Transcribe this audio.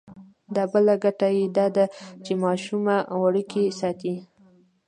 دا بله ګټه یې دا ده چې ماشومه وړوکې ساتي.